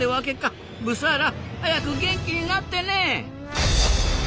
ブサーラ早く元気になってね！